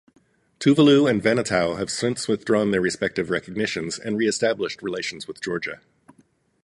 Tuvalu and Vanuatu have since withdrawn their respective recognitions and reestablished relations with Georgia.